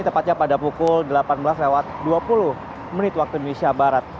tepatnya pada pukul delapan belas lewat dua puluh menit waktu indonesia barat